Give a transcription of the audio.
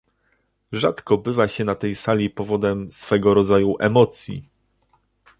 Rzadko bywa się na tej sali powodem swego rodzaju emocji